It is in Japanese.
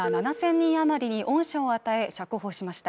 人余りに恩赦を与え釈放しました